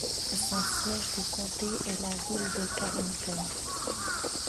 Son siège de comté est la ville de Carrington.